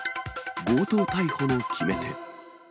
強盗逮捕の決め手。